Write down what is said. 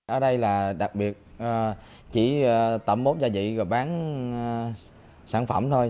ở đây là đặc biệt chỉ tẩm bốt gia vị và bán sản phẩm thôi